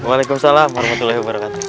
waalaikumsalam warahmatullahi wabarakatuh